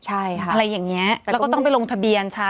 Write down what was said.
ใช่ค่ะอะไรอย่างนี้แล้วก็ต้องไปลงทะเบียนช้า